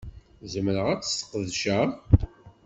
Zemreɣ ad t-sqedceɣ?